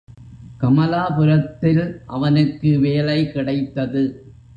கமலாபுரத்தில் அவனுக்கு வேலை கிடைத்தது.